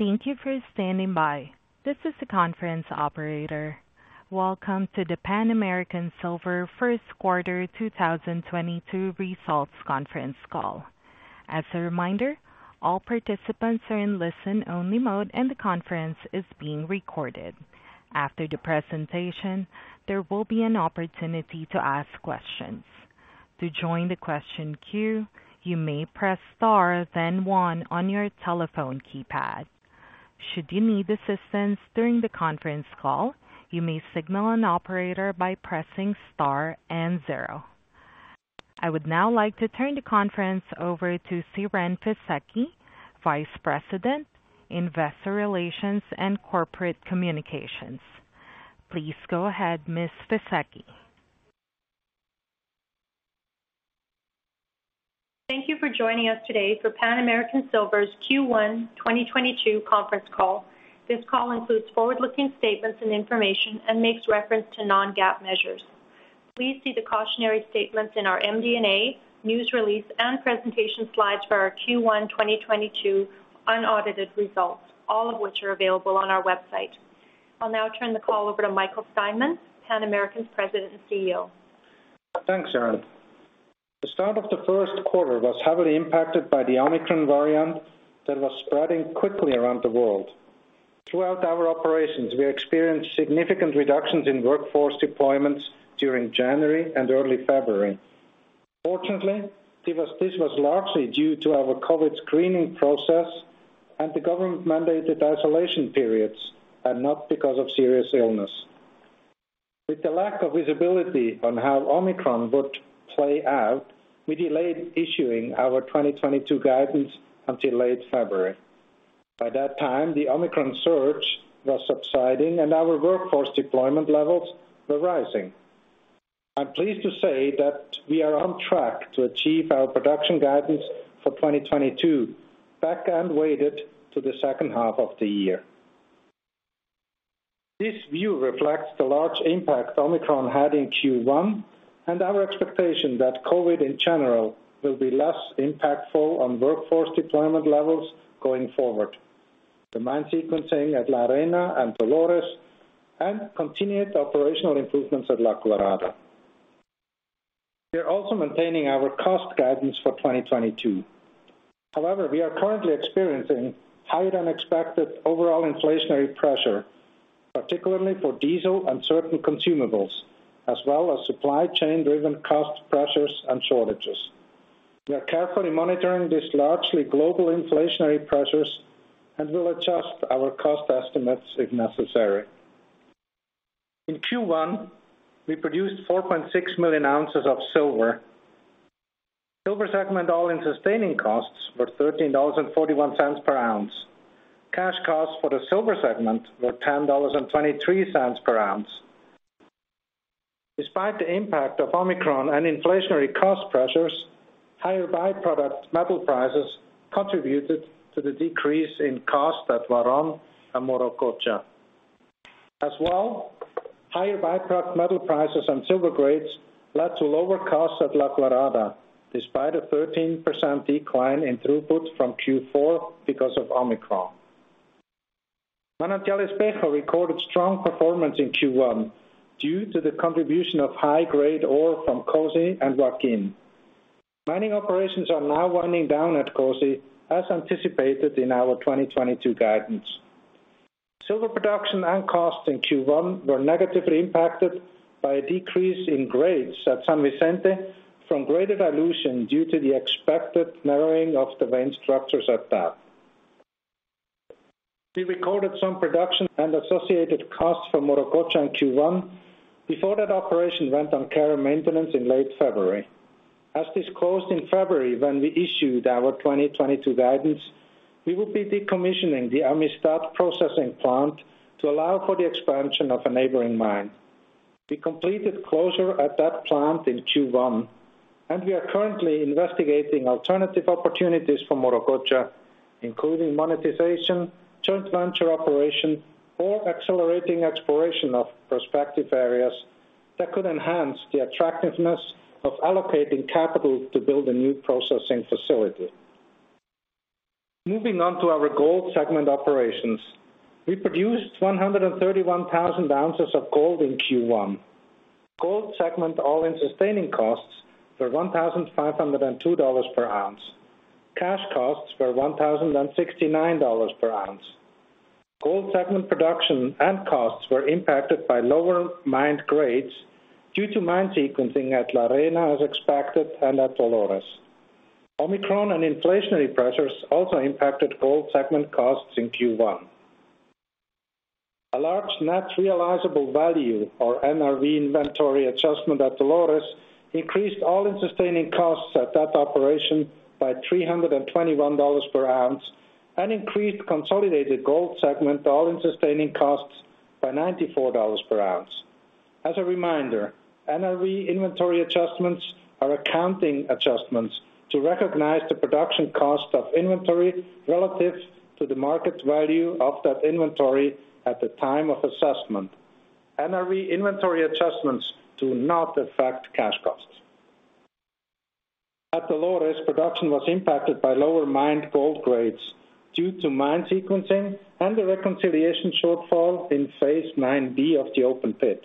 Thank you for standing by. This is the conference operator. Welcome to the Pan American Silver first quarter 2022 results conference call. As a reminder, all participants are in listen-only mode, and the conference is being recorded. After the presentation, there will be an opportunity to ask questions. To join the question queue, you may press star then one on your telephone keypad. Should you need assistance during the conference call, you may signal an operator by pressing star and zero. I would now like to turn the conference over to Siren Fisekci, Vice President, Investor Relations and Corporate Communications. Please go ahead, Ms. Fisekci. Thank you for joining us today for Pan American Silver's Q1 2022 conference call. This call includes forward-looking statements and information and makes reference to non-GAAP measures. Please see the cautionary statements in our MD&A, news release and presentation slides for our Q1 2022 unaudited results, all of which are available on our website. I'll now turn the call over to Michael Steinmann, Pan American's President and CEO. Thanks, Siren. The start of the first quarter was heavily impacted by the Omicron variant that was spreading quickly around the world. Throughout our operations, we experienced significant reductions in workforce deployments during January and early February. Fortunately, this was largely due to our COVID screening process and the government-mandated isolation periods, and not because of serious illness. With the lack of visibility on how Omicron would play out, we delayed issuing our 2022 guidance until late February. By that time, the Omicron surge was subsiding and our workforce deployment levels were rising. I'm pleased to say that we are on track to achieve our production guidance for 2022, back-end weighted to the second half of the year. This view reflects the large impact Omicron had in Q1 and our expectation that COVID, in general, will be less impactful on workforce deployment levels going forward. The mine sequencing at La Arena and Dolores and continued operational improvements at La Colorada. We are also maintaining our cost guidance for 2022. However, we are currently experiencing higher-than-expected overall inflationary pressure, particularly for diesel and certain consumables, as well as supply chain-driven cost pressures and shortages. We are carefully monitoring these largely global inflationary pressures and will adjust our cost estimates if necessary. In Q1, we produced 4.6 million ounces of silver. Silver segment all-in sustaining costs were $13.41 per ounce. Cash costs for the silver segment were $10.23 per ounce. Despite the impact of Omicron and inflationary cost pressures, higher by-product metal prices contributed to the decrease in cost at Huarón and Morococha. As well, higher by-product metal prices and silver grades led to lower costs at La Colorada, despite a 13% decline in throughput from Q4 because of Omicron. Manantial Espejo recorded strong performance in Q1 due to the contribution of high-grade ore from COSE and Joaquín. Mining operations are now winding down at COSE, as anticipated in our 2022 guidance. Silver production and cost in Q1 were negatively impacted by a decrease in grades at San Vicente from greater dilution due to the expected narrowing of the vein structures at that. We recorded some production and associated costs for Morococha in Q1 before that operation went on care and maintenance in late February. As disclosed in February when we issued our 2022 guidance, we will be decommissioning the Amistad processing plant to allow for the expansion of a neighboring mine. We completed closure at that plant in Q1, and we are currently investigating alternative opportunities for Morococha, including monetization, joint venture operation or accelerating exploration of prospective areas that could enhance the attractiveness of allocating capital to build a new processing facility. Moving on to our gold segment operations. We produced 131,000 ounces of gold in Q1. Gold segment all-in sustaining costs were $1,502 per ounce. Cash costs were $1,069 per ounce. Gold segment production and costs were impacted by lower mined grades due to mine sequencing at La Arena as expected and at Dolores. Omicron and inflationary pressures also impacted gold segment costs in Q1. A large net realizable value or NRV inventory adjustment at Dolores increased all-in sustaining costs at that operation by $321 per ounce and increased consolidated gold segment all-in sustaining costs by $94 per ounce. As a reminder, NRV inventory adjustments are accounting adjustments to recognize the production cost of inventory relative to the market value of that inventory at the time of assessment. NRV inventory adjustments do not affect cash costs. At Shahuindo, production was impacted by lower mined gold grades due to mine sequencing and the reconciliation shortfall in phase 9B of the open pit.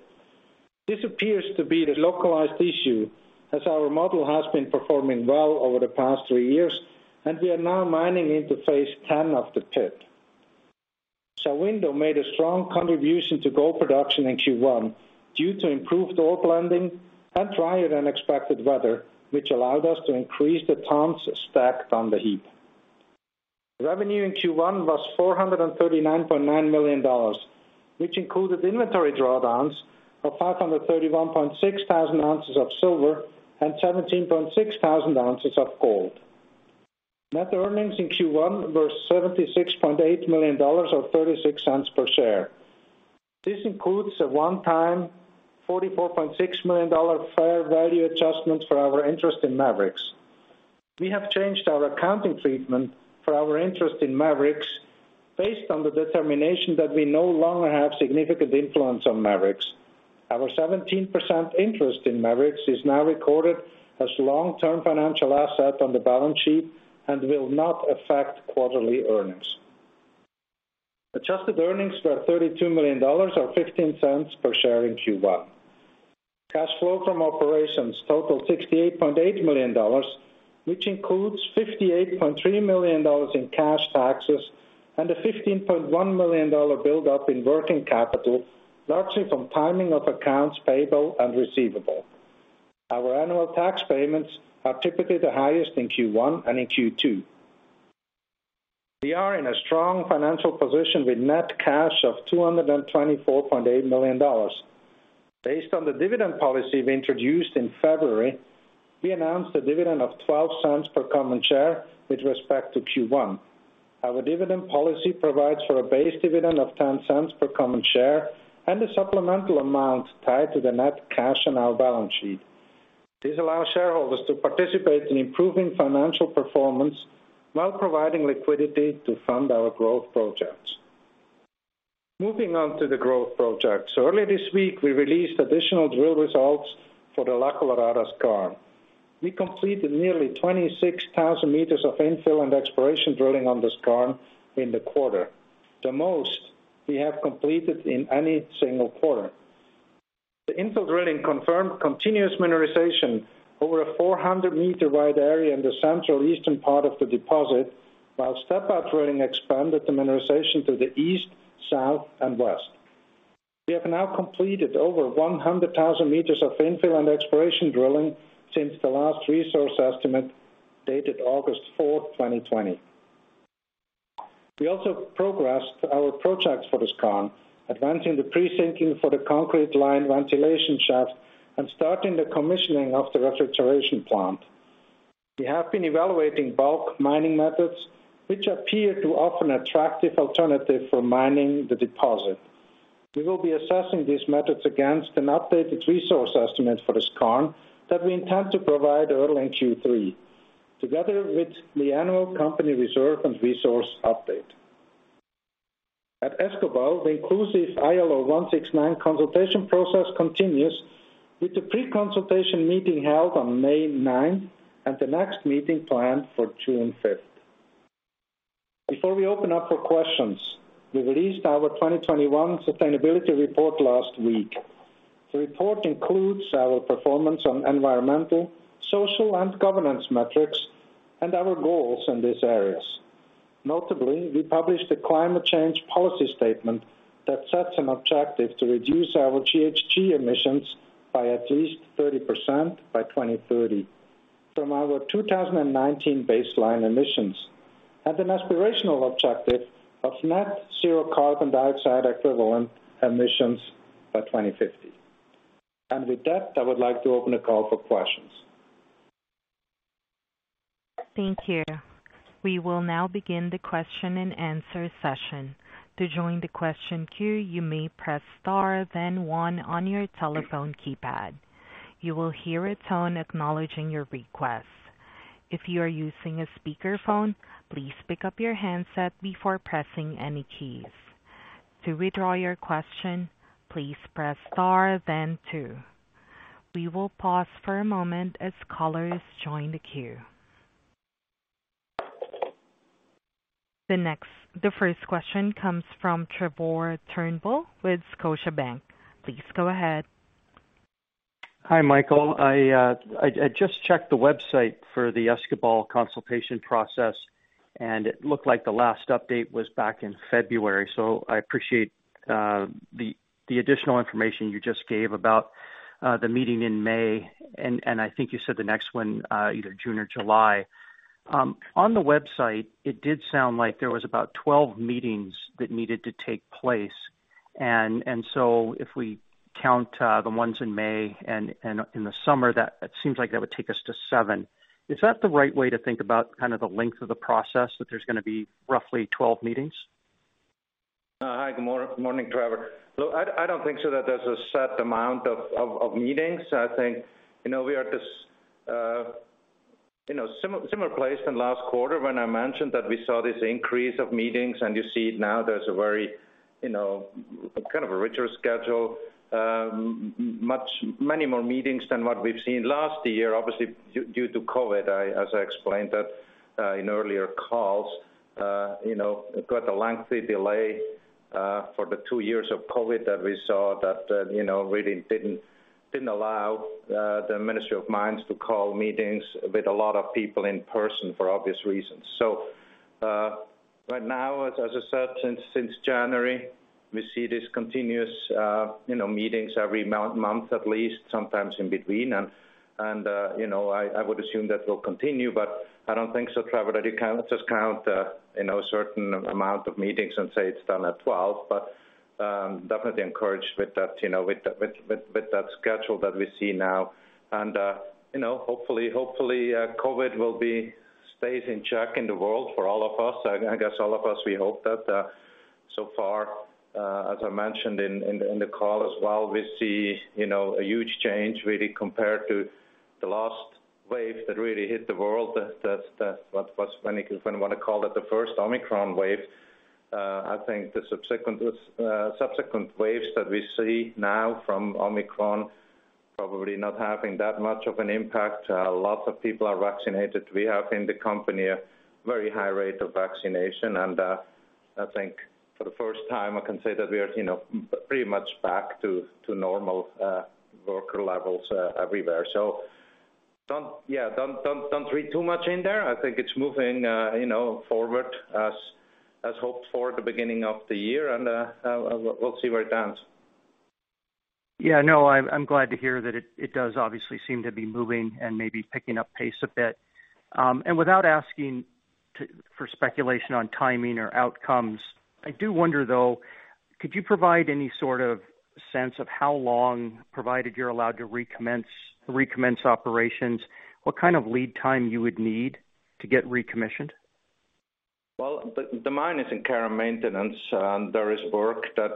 This appears to be the localized issue as our model has been performing well over the past three years, and we are now mining into phase 10 of the pit. Shahuindo made a strong contribution to gold production in Q1 due to improved ore blending and drier than expected weather, which allowed us to increase the tons stacked on the heap. Revenue in Q1 was $439.9 million, which included inventory drawdowns of 531.6 thousand ounces of silver and 17.6 thousand ounces of gold. Net earnings in Q1 were $76.8 million or $0.36 per share. This includes a one-time $44.6 million fair value adjustment for our interest in Maverix. We have changed our accounting treatment for our interest in Maverix based on the determination that we no longer have significant influence on Maverix. Our 17% interest in Maverix is now recorded as long-term financial asset on the balance sheet and will not affect quarterly earnings. Adjusted earnings were $32 million or $0.15 per share in Q1. Cash flow from operations totaled $68.8 million, which includes $58.3 million in cash taxes and a $15.1 million build up in working capital, largely from timing of accounts payable and receivable. Our annual tax payments are typically the highest in Q1 and in Q2. We are in a strong financial position with net cash of $224.8 million. Based on the dividend policy we introduced in February, we announced a dividend of $0.12 per common share with respect to Q1. Our dividend policy provides for a base dividend of $0.10 per common share and a supplemental amount tied to the net cash on our balance sheet. This allows shareholders to participate in improving financial performance while providing liquidity to fund our growth projects. Moving on to the growth projects. Early this week, we released additional drill results for the La Colorada skarn. We completed nearly 26,000 m of infill and exploration drilling on the skarn in the quarter, the most we have completed in any single quarter. The infill drilling confirmed continuous mineralization over a 400 m-wide area in the central eastern part of the deposit, while step out drilling expanded the mineralization to the east, south, and west. We have now completed over 100,000 m of infill and exploration drilling since the last resource estimate dated August 4, 2020. We also progressed our projects for the skarn, advancing the pre-sinking for the concrete line ventilation shaft and starting the commissioning of the refrigeration plant. We have been evaluating bulk mining methods which appear to offer an attractive alternative for mining the deposit. We will be assessing these methods against an updated resource estimate for the skarn that we intend to provide early in Q3, together with the annual company reserve and resource update. At Escobal, the inclusive ILO 169 consultation process continues with the pre-consultation meeting held on May 9 and the next meeting planned for June 5. Before we open up for questions, we released our 2021 sustainability report last week. The report includes our performance on environmental, social, and governance metrics and our goals in these areas. Notably, we published a climate change policy statement that sets an objective to reduce our GHG emissions by at least 30% by 2030 from our 2019 baseline emissions. As an aspirational objective of net zero carbon dioxide equivalent emissions by 2050. With that, I would like to open a call for questions. Thank you. We will now begin the question and answer session. To join the question queue, you may press star then one on your telephone keypad. You will hear a tone acknowledging your request. If you are using a speakerphone, please pick up your handset before pressing any keys. To withdraw your question, please press star then two. We will pause for a moment as callers join the queue. The first question comes from Trevor Turnbull with Scotiabank. Please go ahead. Hi, Michael. I just checked the website for the Escobal consultation process, and it looked like the last update was back in February, so I appreciate the additional information you just gave about the meeting in May. I think you said the next one either June or July. On the website, it did sound like there was about 12 meetings that needed to take place. If we count the ones in May and in the summer, that seems like that would take us to seven. Is that the right way to think about kind of the length of the process, that there's gonna be roughly 12 meetings? Hi. Good morning, Trevor. Look, I don't think so that there's a set amount of meetings. I think, you know, we are at this, you know, similar place than last quarter when I mentioned that we saw this increase of meetings and you see it now there's a very. You know, kind of a richer schedule, many more meetings than what we've seen last year, obviously due to COVID. As I explained that in earlier calls, you know, got a lengthy delay for the two years of COVID that we saw that, you know, really didn't allow the Ministry of Mines to call meetings with a lot of people in person for obvious reasons. Right now, as I said, since January, we see this continuous, you know, meetings every month at least, sometimes in between. I would assume that will continue, but I don't think so, Trevor, that you can just count, you know, a certain amount of meetings and say it's done at 12. Definitely encouraged with that, you know, with that schedule that we see now. You know, hopefully COVID stays in check in the world for all of us. I guess all of us hope that, so far, as I mentioned in the call as well, we see, you know, a huge change really compared to the last wave that really hit the world. That's when you wanna call it the first Omicron wave. I think the subsequent waves that we see now from Omicron probably not having that much of an impact. Lots of people are vaccinated. We have in the company a very high rate of vaccination. I think for the first time I can say that we are, you know, pretty much back to normal worker levels everywhere. Don't read too much in there. I think it's moving, you know, forward as hoped for the beginning of the year. We'll see where it ends. Yeah. No, I'm glad to hear that it does obviously seem to be moving and maybe picking up pace a bit. Without asking for speculation on timing or outcomes, I do wonder though, could you provide any sort of sense of how long, provided you're allowed to recommence operations, what kind of lead time you would need to get recommissioned? Well, the mine is in care and maintenance, and there is work that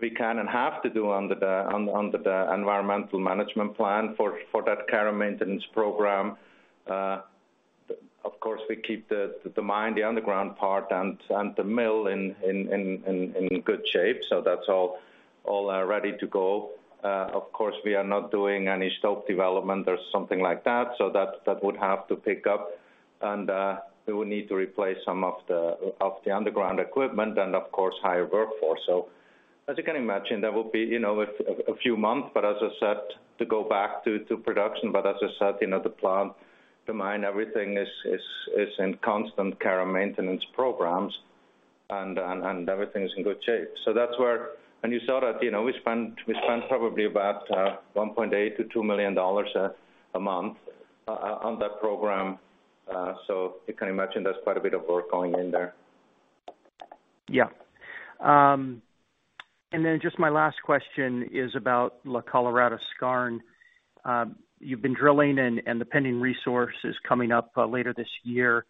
we can and have to do under the environmental management plan for that care and maintenance program. Of course, we keep the mine, the underground part and the mill in good shape, so that's all ready to go. Of course, we are not doing any stope development or something like that, so that would have to pick up. We would need to replace some of the underground equipment and of course hire workforce. As you can imagine, there will be, you know, a few months, but as I said, to go back to production. As I said, you know, the plant, the mine, everything is in constant care and maintenance programs and everything is in good shape. That's where. You saw that, you know, we spend probably about $1.8 million-$2 million a month on that program. You can imagine there's quite a bit of work going in there. Yeah. Just my last question is about La Colorada skarn. You've been drilling and the pending resource is coming up later this year.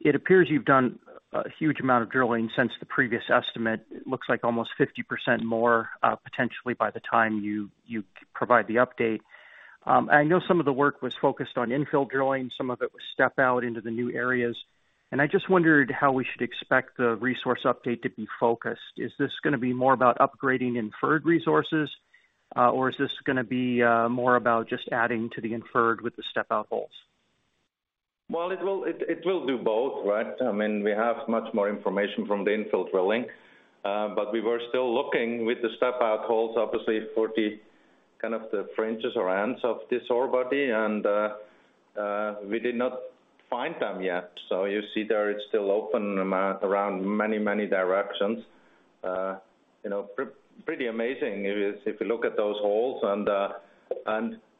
It appears you've done a huge amount of drilling since the previous estimate. It looks like almost 50% more, potentially by the time you provide the update. I know some of the work was focused on infill drilling, some of it was step-out into the new areas, and I just wondered how we should expect the resource update to be focused. Is this gonna be more about upgrading inferred resources, or is this gonna be more about just adding to the inferred with the step-out holes? Well, it will do both, right? I mean, we have much more information from the infill drilling, but we were still looking with the step-out holes, obviously, for the kind of the fringes or ends of this ore body. We did not find them yet. You see there it's still open around many, many directions. You know, pretty amazing if you look at those holes.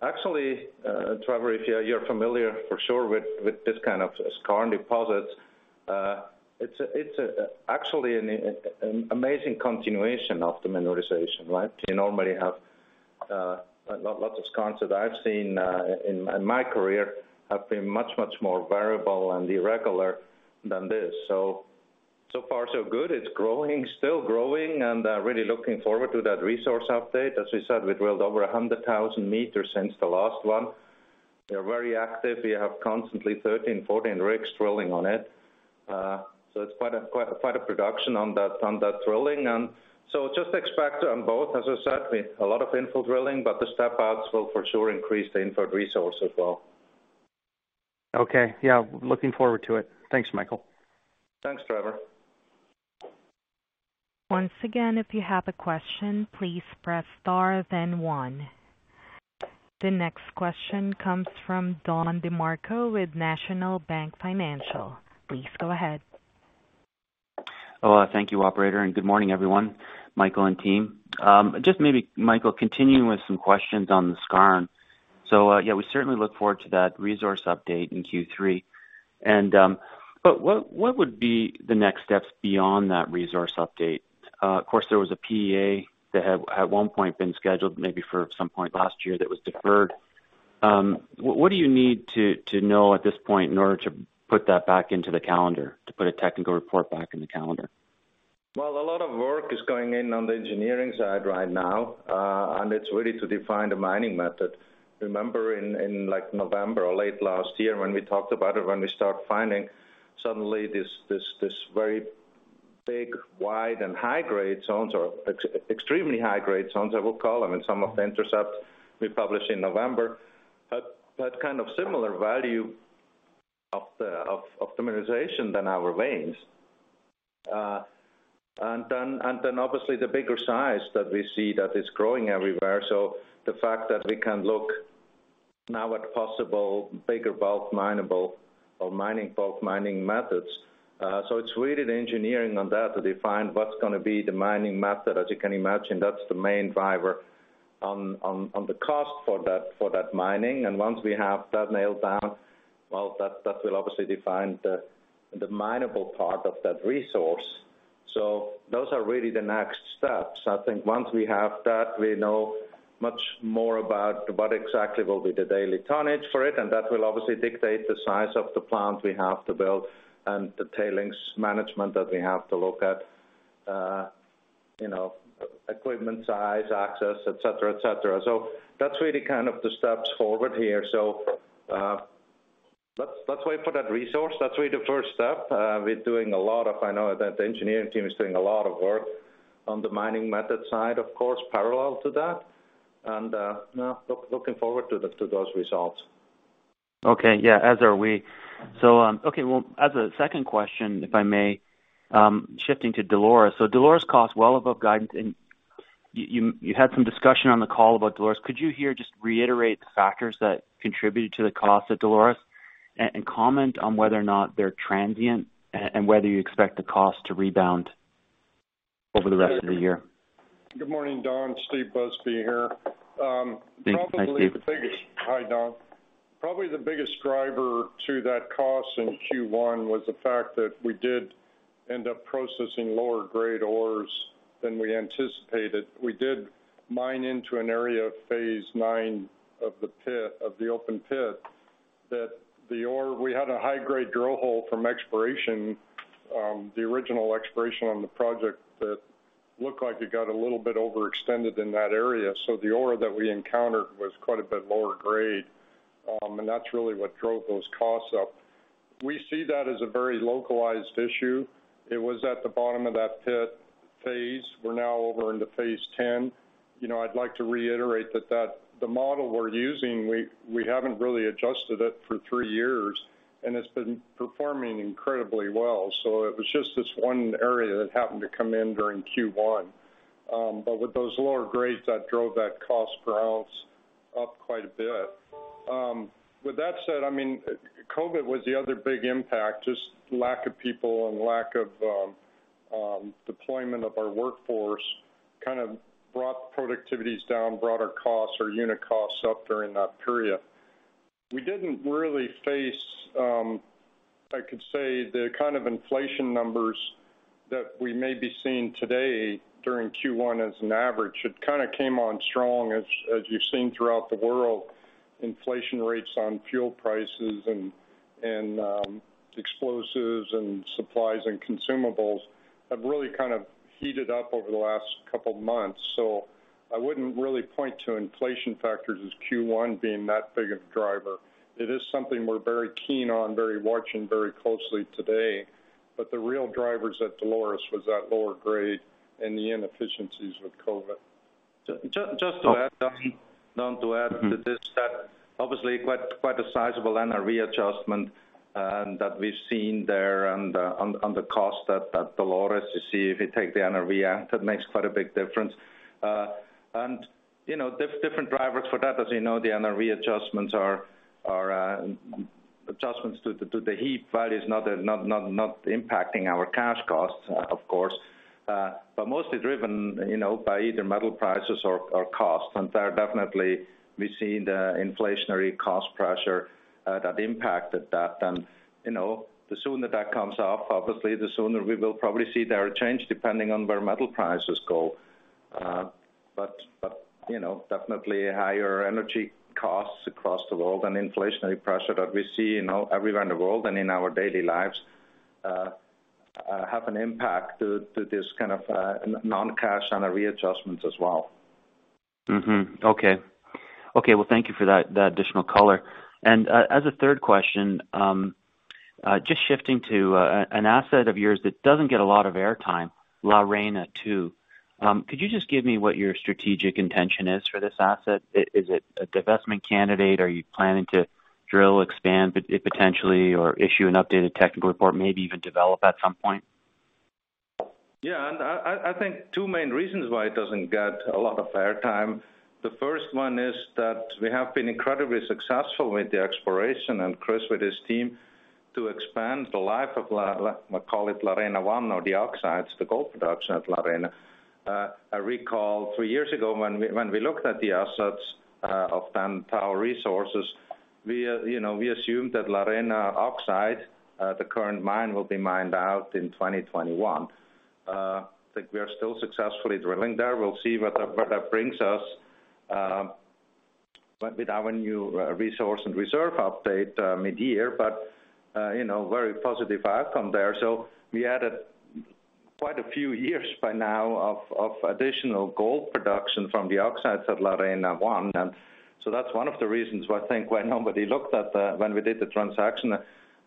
Actually, Trevor, if you're familiar for sure with this kind of skarn deposits, it's actually an amazing continuation of the mineralization, right? You normally have lots of skarns that I've seen in my career have been much more variable and irregular than this. So far so good. It's growing, still growing, and really looking forward to that resource update. As we said, we drilled over 100,000 m since the last one. We are very active. We have constantly 13, 14 rigs drilling on it. So it's quite a production on that drilling. Just expect on both, as I said, a lot of infill drilling, but the step-outs will for sure increase the inferred resource as well. Okay. Yeah, looking forward to it. Thanks, Michael. Thanks, Trevor. Once again, if you have a question, please press star then one. The next question comes from Don DeMarco with National Bank Financial. Please go ahead. Hello. Thank you, operator, and good morning, everyone, Michael and team. Just maybe, Michael, continuing with some questions on the skarn. We certainly look forward to that resource update in Q3 and, but what would be the next steps beyond that resource update? Of course, there was a PEA that had, at one point been scheduled maybe for some point last year that was deferred. What do you need to know at this point in order to put that back into the calendar, to put a technical report back in the calendar? Well, a lot of work is going in on the engineering side right now, and it's really to define the mining method. Remember in like November or late last year when we talked about it, when we start finding suddenly this very big, wide and high grade zones or extremely high grade zones, I will call them, and some of the intercepts we published in November. But that kind of similar value to the optimization of our veins. Obviously the bigger size that we see that is growing everywhere. The fact that we can look now at possible bigger bulk minable or bulk mining methods. It's really the engineering on that to define what's gonna be the mining method. As you can imagine, that's the main driver on the cost for that mining. Once we have that nailed down, that will obviously define the minable part of that resource. Those are really the next steps. I think once we have that, we know much more about what exactly will be the daily tonnage for it, and that will obviously dictate the size of the plant we have to build and the tailings management that we have to look at, you know, equipment size, access, etc. That's really kind of the steps forward here. Let's wait for that resource. That's really the first step. I know that the engineering team is doing a lot of work on the mining method side, of course, parallel to that. Yeah, looking forward to those results. Okay. Yeah, as are we. Well, as a second question, if I may, shifting to Dolores. Dolores cost well above guidance, and you had some discussion on the call about Dolores. Could you just reiterate the factors that contributed to the cost at Dolores and comment on whether or not they're transient and whether you expect the cost to rebound over the rest of the year? Good morning, Don. Steve Busby here. Hi, Steve. Hi, Don. Probably the biggest driver to that cost in Q1 was the fact that we did end up processing lower grade ores than we anticipated. We did mine into an area of phase nine of the pit, of the open pit, that the ore, we had a high grade drill hole from exploration, the original exploration on the project that looked like it got a little bit overextended in that area. The ore that we encountered was quite a bit lower grade, and that's really what drove those costs up. We see that as a very localized issue. It was at the bottom of that pit phase. We're now over into phase ten. You know, I'd like to reiterate that the model we're using, we haven't really adjusted it for three years, and it's been performing incredibly well. It was just this one area that happened to come in during Q1. With those lower grades, that drove that cost per ounce up quite a bit. With that said, I mean, COVID was the other big impact, just lack of people and lack of deployment of our workforce kind of brought productivities down, brought our costs or unit costs up during that period. We didn't really face, I could say the kind of inflation numbers that we may be seeing today during Q1 as an average. It kind of came on strong as you've seen throughout the world, inflation rates on fuel prices and explosives and supplies and consumables have really kind of heated up over the last couple of months. I wouldn't really point to inflation factors as Q1 being that big of a driver. It is something we're very keen on watching very closely today. The real drivers at Dolores was that lower grade and the inefficiencies with COVID. Just to add, Don, to this, that obviously quite a sizable NRV adjustment that we've seen there and on the cost at Dolores. You see, if you take the NRV out, that makes quite a big difference. You know, different drivers for that, as you know, the NRV adjustments are adjustments to the heap value is not impacting our cash costs, of course, but mostly driven, you know, by either metal prices or costs. There definitely we see the inflationary cost pressure that impacted that. You know, the sooner that comes off, obviously the sooner we will probably see there a change depending on where metal prices go. You know, definitely higher energy costs across the world and inflationary pressure that we see, you know, everywhere in the world and in our daily lives have an impact to this kind of non-cash NRV adjustments as well. Okay. Okay, well, thank you for that additional color. As a third question, just shifting to an asset of yours that doesn't get a lot of airtime, La Arena 2. Could you just give me what your strategic intention is for this asset? Is it a divestment candidate? Are you planning to drill, expand it potentially or issue an updated technical report, maybe even develop at some point? Yeah. I think two main reasons why it doesn't get a lot of airtime. The first one is that we have been incredibly successful with the exploration and Chris with his team to expand the life of La Arena one or the oxides, the gold production at La Arena. I recall three years ago when we looked at the assets of then Tahoe Resources, you know, we assumed that La Arena oxide, the current mine will be mined out in 2021. I think we are still successfully drilling there. We'll see what that brings us. With our new resource and reserve update mid-year, but you know, very positive outcome there. We added quite a few years by now of additional gold production from the oxides of La Arena One. That's one of the reasons why I think when we did the transaction,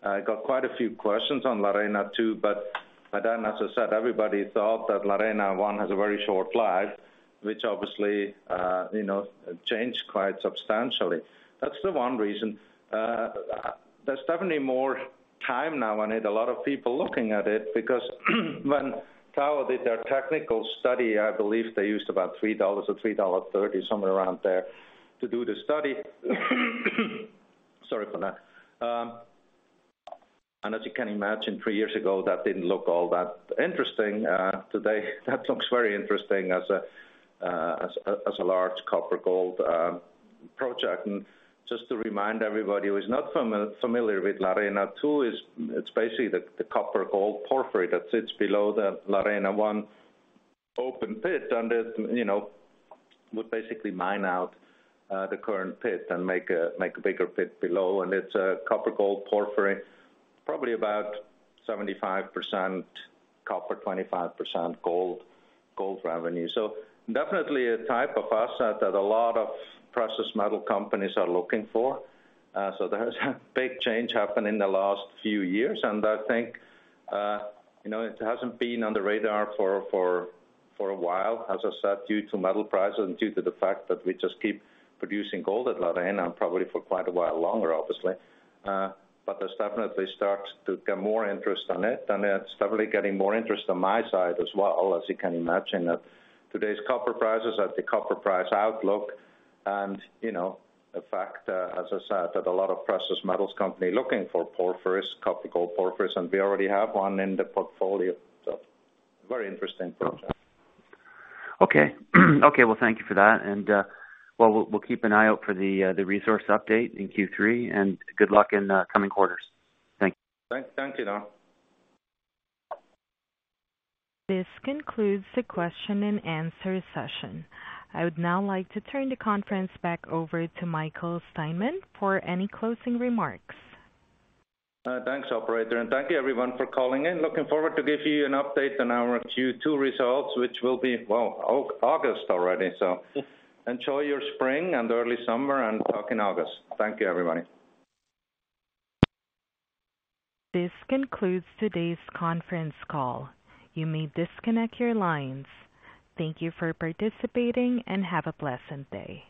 I got quite a few questions on La Arena Two, but by then, as I said, everybody thought that La Arena One has a very short life, which obviously changed quite substantially. That's the one reason. There's definitely more time now and a lot of people looking at it because when Tahoe did their technical study, I believe they used about $3 or $3.30, somewhere around there to do the study. Sorry for that. As you can imagine, three years ago, that didn't look all that interesting. Today, that looks very interesting as a large copper gold project. Just to remind everybody who is not familiar with La Arena Two, it's basically the copper gold porphyry that sits below the La Arena One open pit. It, you know, would basically mine out the current pit and make a bigger pit below. It's a copper gold porphyry, probably about 75% copper, 25% gold revenue. Definitely a type of asset that a lot of precious metal companies are looking for. There's a big change happened in the last few years. I think, you know, it hasn't been on the radar for a while, as I said, due to metal prices and due to the fact that we just keep producing gold at La Arena and probably for quite a while longer, obviously. This definitely starts to get more interest on it. It's definitely getting more interest on my side as well, as you can imagine. Today's copper prices and the copper price outlook and, you know, the fact, as I said, that a lot of precious metals company looking for porphyries, copper-gold porphyries, and we already have one in the portfolio, so very interesting project. Okay. Well, thank you for that. Well, we'll keep an eye out for the resource update in Q3, and good luck in coming quarters. Thank you. Thanks. Thank you, Don. This concludes the question and answer session. I would now like to turn the conference back over to Michael Steinmann for any closing remarks. Thanks, operator. Thank you everyone for calling in. Looking forward to give you an update on our Q2 results, which will be, well, August already. Enjoy your spring and early summer and talk in August. Thank you, everybody. This concludes today's conference call. You may disconnect your lines. Thank you for participating, and have a pleasant day.